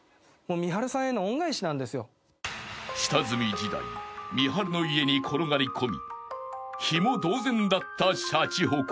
［下積み時代みはるの家に転がり込みひも同然だったシャチホコ］